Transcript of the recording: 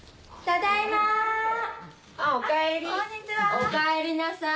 おかえりなさい！